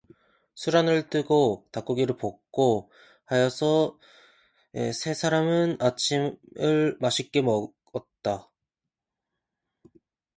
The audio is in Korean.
수란을 뜨고 닭고기를 볶고 하여서 세 사람은 아침을 맛있게 먹었다.